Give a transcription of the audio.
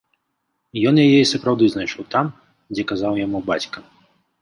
Ён яе і сапраўды знайшоў, там, дзе казаў яму бацька.